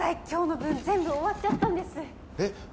今日の分全部終わっちゃったんですえっ？